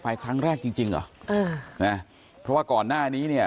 ไฟครั้งแรกจริงครับเออเนี้ยเพราะว่าก่อนหน้านี้